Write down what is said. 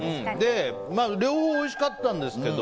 両方おいしかったんですけど